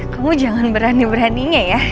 kamu jangan berani beraninya ya